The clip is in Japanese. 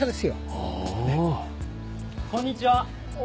あっこんにちは。